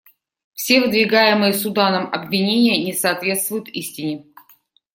Все выдвигаемые Суданом обвинения не соответствуют истине.